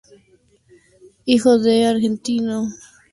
Hijo de un argelino y de una danesa, tiene dos hermanos y una hermana.